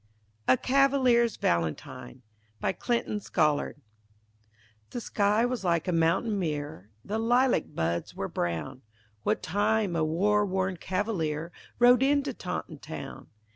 A CAVALIER'S VALENTINE (1644) BY CLINTON SCOLLARD The sky was like a mountain mere, The lilac buds were brown, What time a war worn cavalier Rode into Taunton town.